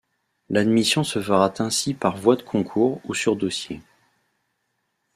L’admission se fera ainsi par voie de concours ou sur dossier.